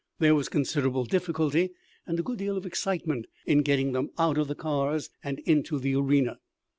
There was considerable difficulty and a good deal of excitement in getting them out of the cars and into the arena.